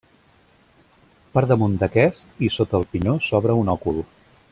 Per damunt d'aquest i sota el pinyó s'obre un òcul.